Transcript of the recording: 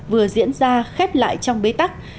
vừa diễn ra khép lại trong bế tắc